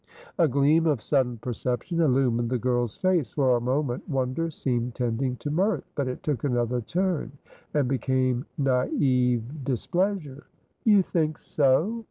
A gleam of sudden perception illumined the girl's face. For a moment wonder seemed tending to mirth; but it took another turn, and became naive displeasure. "You think so?"